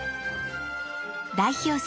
代表作